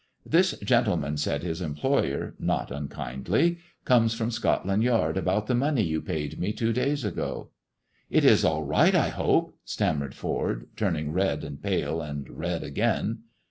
"This gentleman," said his employer, not unkindly, " comes from Scotland Yard about the money you paid me two days ago." " It is all right, I hope?" stammered Ford, turning red and pale and red again.